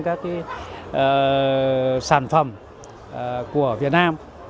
các sản phẩm của việt nam